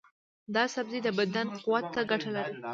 دا سبزی د بدن قوت ته ګټه لري.